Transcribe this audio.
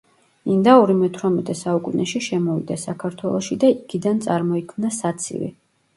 ინდაური მეთვრამეტე საუკუნეში შემოვიდა საქართველოში და იქიდან წარმოიქმნა საცივი.